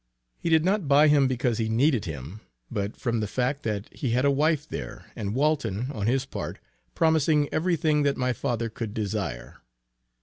He did not buy him because he needed him, but from the fact that he had a wife there, and Walton on his part promising every thing that my father could desire.